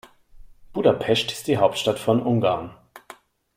Budapest ist die Hauptstadt von Ungarn.